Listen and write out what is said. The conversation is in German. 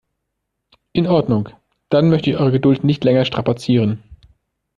In Ordnung, dann möchte ich eure Geduld nicht länger strapazieren.